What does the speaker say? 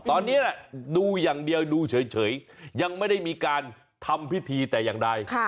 ตอนนี้ดูอย่างเดียวดูเฉยยังไม่ได้มีการทำพิธีแต่อย่างใด